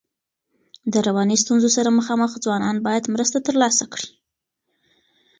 د رواني ستونزو سره مخامخ ځوانان باید مرسته ترلاسه کړي.